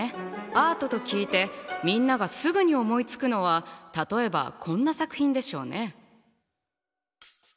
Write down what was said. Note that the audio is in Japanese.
アートと聞いてみんながすぐに思いつくのは例えばこんな作品でしょうね。